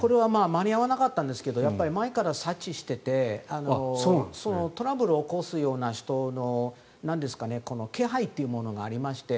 間に合わなかったんですけど前から察知していてトラブルを起こすような人の気配というものがありまして。